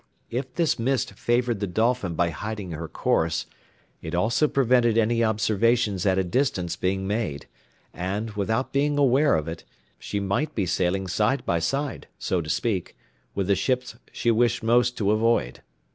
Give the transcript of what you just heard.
If this mist favoured the Dolphin by hiding her course, it also prevented any observations at a distance being made, and, without being aware of it, she might be sailing side by side, so to speak, with the ships she wished most to avoid.